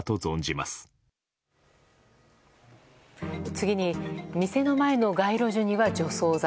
次に、店の前の街路樹には除草剤。